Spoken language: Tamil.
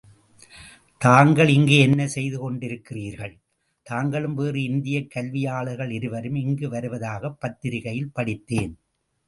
தாங்கள் இங்கு என்ன செய்து கொண்டிருக்கிறீர்கள்? தாங்களும் வேறு இந்தியக் கல்வியாளர்கள் இருவரும் இங்கு வருவதாகப் பத்திரிகையில் படித்தேன்.